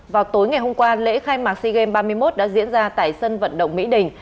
vào tối ngày hôm qua lễ khai mạc sea games ba mươi một đã diễn ra tại sân vận động mỹ đình